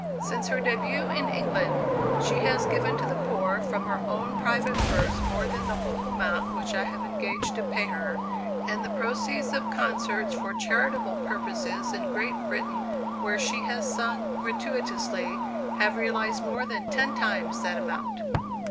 "Since her débût in England, she has given to the poor from her own private purse more than the whole amount which I have engaged to pay her, and the proceeds of concerts for charitable purposes in Great Britain, where she has sung gratuitously, have realized more than ten times that amount."